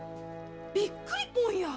びっくりぽんや」